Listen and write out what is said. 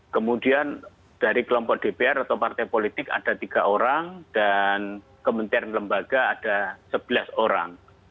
kemudian dari kelompok dpr atau partai politik ada tiga orang dan kementerian lembaga ada sebelas orang